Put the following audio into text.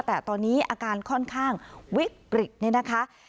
แต่ตอนนี้อาการค่อนข้างวิกฤตนี่นะคะ